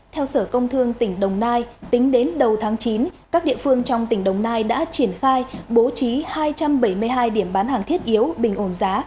theo sở công thương tỉnh đồng nai tính đến đầu tháng chín các địa phương trong tỉnh đồng nai đã triển khai bố trí hai trăm bảy mươi hai điểm bán hàng thiết yếu bình ổn giá